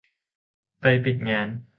ไปปิดงาน